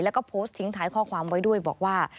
แล้วก็โพสต์ทิ้งท้ายข้อความไว้ด้วยบอกว่า